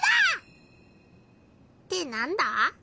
ってなんだ？